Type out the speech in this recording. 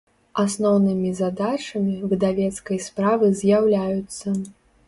Асноўнымi задачамi выдавецкай справы з’яўляюцца.